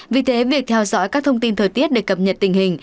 vì thế việc theo dõi các thông tin thời tiết để cập nhật tình hình